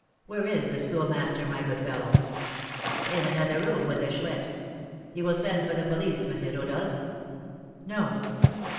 "Where is the Schoolmaster, my good fellow?" "In another room, with the Chouette. You will send for the police, M. Rodolph?" "No."